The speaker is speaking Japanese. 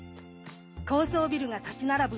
高層ビルが立ち並ぶ